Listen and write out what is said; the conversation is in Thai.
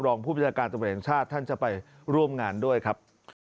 รองผู้บริษัทการสมัยแหล่งชาติท่านจะไปร่วมงานด้วยครับ